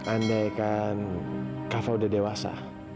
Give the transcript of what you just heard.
andaikan kava udah dewasa